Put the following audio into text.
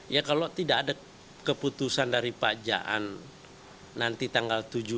ya kalau tidak ada keputusan dari pak jaan nanti tanggal tujuh